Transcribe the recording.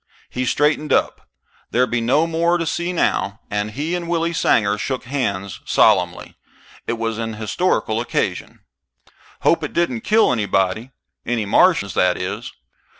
He straightened up there'd be no more to see now and he and Willie Sanger shook hands solemnly. It was an historical occasion. "Hope it didn't kill anybody. Any Martians, that is.